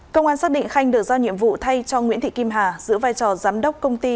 công an xác định khanh được giao nhiệm vụ thay cho nguyễn thị kim hà giữ vai trò giám đốc công ty